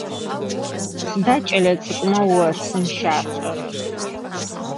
Сыда кӏэлэцӏыкӏумэ осым щашӏэрэр?